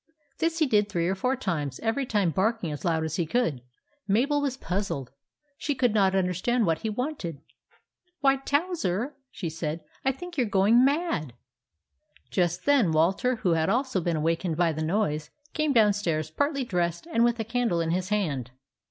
This he did three or four times, every time barking as loud as he could. Mabel was puzzled. She could not understand what he wanted. " Why, Towser," she said, " I think you 're going mad." Just then Walter, who had also been awakened by the noise, came downstairs partly dressed and with a candle in his hand.